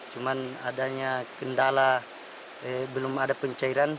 cuman adanya kendala belum ada pencairan